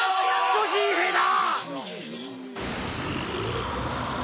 巨神兵だ！